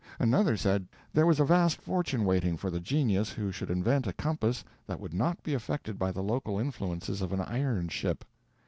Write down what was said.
Another said there was a vast fortune waiting for the genius who should invent a compass that would not be affected by the local influences of an iron ship.